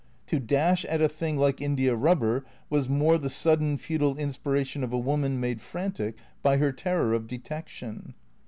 To dash at a thing like india rubber was more the sudden, futile inspiration of a woman made frantic by her ter ror of detection.